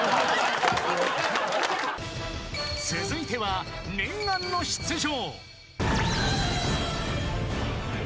［続いては念願の出場］